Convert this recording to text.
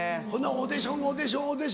オーディションオーディション受けて。